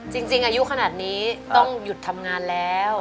จริงอายุขนาดนี้ต้องหยุดทำงานแล้ว